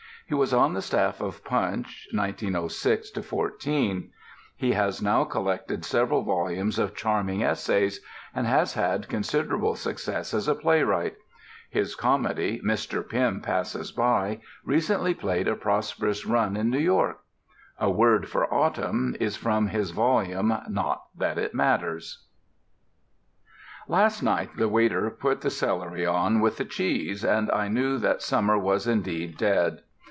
He was on the staff of Punch, 1906 14. He has now collected several volumes of charming essays, and has had considerable success as a playwright: his comedy, Mr. Pim Passes By, recently played a prosperous run in New York. "A Word for Autumn" is from his volume Not That It Matters. Last night the waiter put the celery on with the cheese, and I knew that summer was indeed dead.